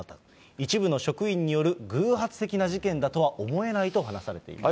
一部の職員による偶発的な事件だとは思えないと話されています。